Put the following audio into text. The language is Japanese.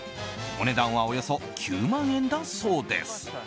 お値段はおよそ９万円だそうです。